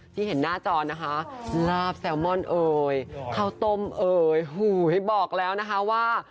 ที่เห็นหน้าจอนะคะลาบแซลมอนเอ่ยข้าวต้มเอ่ยหูให้บอกแล้วนะคะว่า